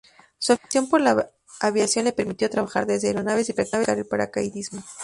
Su afición por la aviación le permitió trabajar desde aeronaves y practicar el paracaidismo.